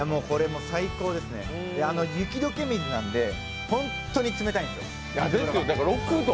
最高ですね、雪解け水なんで、本当に冷たいんですよ。